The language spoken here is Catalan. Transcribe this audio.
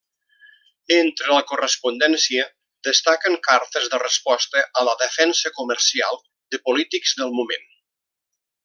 Entre la correspondència destaquen cartes de resposta a La Defensa Comercial de polítics del moment.